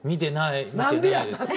何でや。